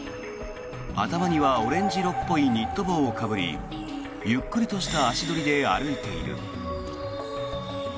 頭にはオレンジ色っぽいニット帽をかぶりゆっくりとした足取りで歩いている。